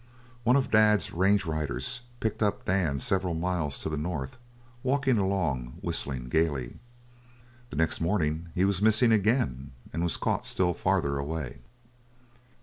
One of Dad's range riders picked up Dan several miles to the north, walking along, whistling gayly. The next morning he was missing again and was caught still farther away.